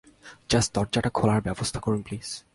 Just দরজাটা খোলার ব্যাবস্থা করুন প্লিজ?